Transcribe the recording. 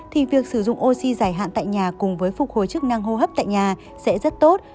thì việc sử dụng oxy dài hạn tại nhà cùng với phục hồi chức năng hô hấp tại nhà sẽ rất tốt